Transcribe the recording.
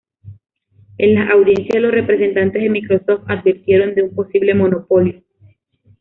En las audiencias, los representantes de Microsoft advirtieron de un posible monopolio.